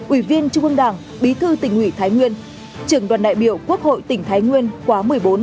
ủy viên trung ương đảng bí thư tỉnh ủy thái nguyên trưởng đoàn đại biểu quốc hội tỉnh thái nguyên khóa một mươi bốn